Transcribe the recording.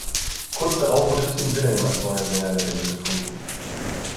Kurz darauf wurde Tim Wilhelm als neuer Sänger der Band gefunden.